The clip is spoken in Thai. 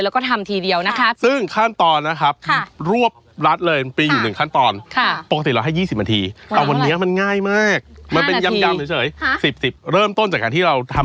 โปรดให้เข้ากันนะครับแล้วก็ชิมรสชาติ